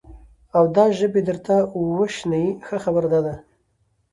او دا ژبې درته وشني، ښه خبره دا ده،